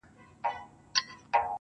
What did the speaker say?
وېريږي نه خو انگازه يې بله.